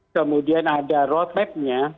kemudian ada road map nya